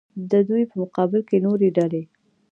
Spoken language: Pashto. د دوی په مقابل کې نورې ډلې.